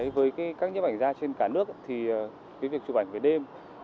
với các nhiếp ảnh gia trên cả nước thì việc chụp ảnh về đêm